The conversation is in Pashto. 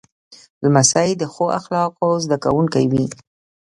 لمسی د ښو اخلاقو زده کوونکی وي.